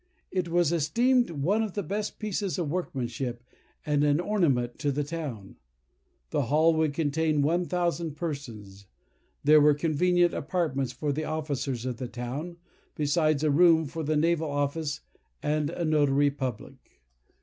It was esteemed one of the best pieces of workmanship, and an ornament to the town. The hall would contain one thousand persons; there were convenient apartments for the officers of the town, besides a room for the naval office, and a notary public."